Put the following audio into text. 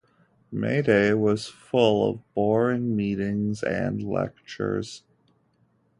May Day was a day full of boring meetings and lectures.